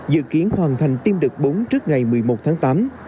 dự kiến hoàn thành tiêm đợt bốn trước ngày một mươi một tháng tám